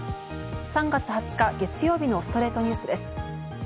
３月２０日、月曜日の『ストレイトニュース』です。